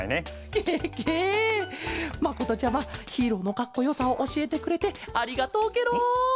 まことちゃまヒーローのかっこよさをおしえてくれてありがとうケロ。